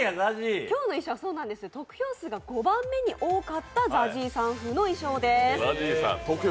得票数が５番目に多かったＺＡＺＹさん風の衣装です。